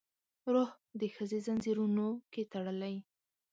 روح د ښځې ځنځیرونو کې تړلی